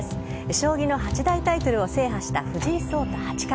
将棋の八大タイトルを制覇した藤井聡太八冠。